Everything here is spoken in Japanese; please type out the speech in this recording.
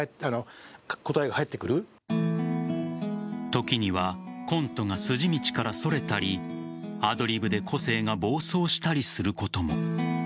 時にはコントが筋道からそれたりアドリブで個性が暴走したりすることも。